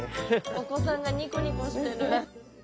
お子さんがニコニコしてる。